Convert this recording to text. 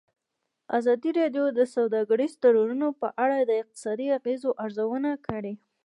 ازادي راډیو د سوداګریز تړونونه په اړه د اقتصادي اغېزو ارزونه کړې.